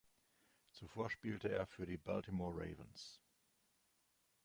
Zuvor spielte er für die Baltimore Ravens.